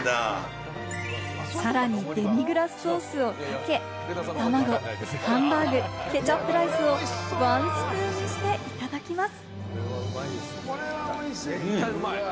さらにデミグラスソースをかけ、たまご、ハンバーグ、ケチャップライスをワンスプーンにして、いただきます。